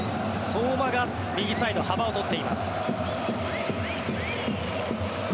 相馬が右サイド幅を取っています。